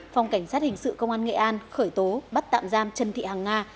phòng cảnh sát hình sự công an nghệ an khởi tố bắt tạm giam trần thị hằng nga